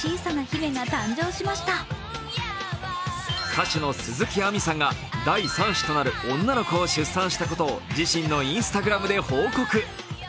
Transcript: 歌手の鈴木亜美さんが第３子となる女の子を出産したことを自身のＩｎｓｔａｇｒａｍで報告。